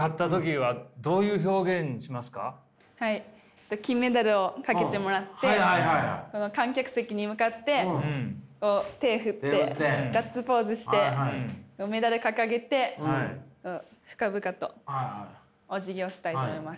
はい金メダルをかけてもらって観客席に向かってこう手を振ってガッツポーズしてメダル掲げて深々とお辞儀をしたいと思います。